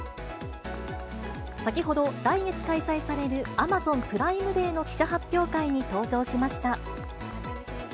先ほど、来月開催されるアマゾンプライムデーの記者発表会に登場しました。